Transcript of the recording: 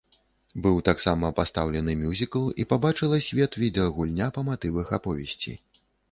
Быў таксама пастаўлены мюзікл і пабачыла свет відэагульня па матывах аповесці.